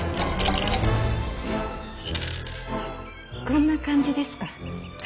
こんな感じですか。